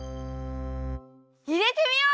いれてみよう！